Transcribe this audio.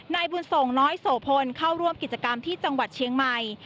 นายบุญส่งน้อยโสพลเข้าร่วมกิจกรรมที่จังหวัดเชียงใหม่